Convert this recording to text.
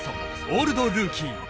「オールドルーキー」